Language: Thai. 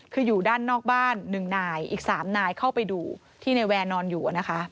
คืออยู่ด้านนอกบ้าน๑นายอีก๓นายเข้าไปดูที่ในแวร์นอนอยู่นะคะ